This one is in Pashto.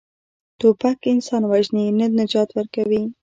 توپک انسان وژني، نه نجات ورکوي.